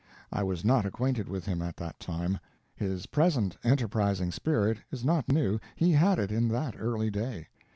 I was not acquainted with him at that time. His present enterprising spirit is not new he had it in that early day.